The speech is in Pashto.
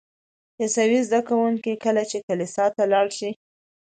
عیسوي زده کوونکي کله چې کلیسا ته لاړ شي.